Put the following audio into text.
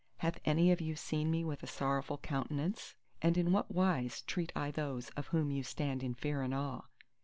hath any of you seen me with a sorrowful countenance? And in what wise treat I those of whom you stand in fear and awe?